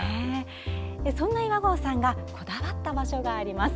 そんな岩合さんがこだわった場所があります。